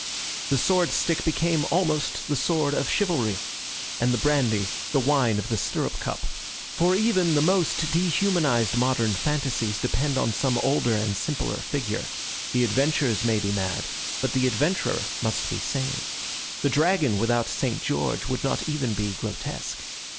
The sword stick became almost the sword of chivalry, and the brandy the wine of the stirrup cup. For even the most dehumanised modern fantasies depend on some older and simpler figure; the adventures may be mad, but the adventurer must be sane. The dragon without St. George would not even be grotesque.